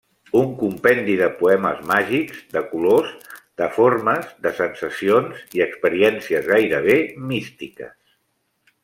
Un compendi de poemes màgics, de colors, de formes, de sensacions i experiències gairebé místiques.